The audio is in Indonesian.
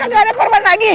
kagak ada korban lagi